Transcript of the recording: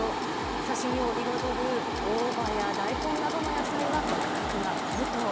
刺し身を彩る大葉や大根などの野菜は価格が高騰。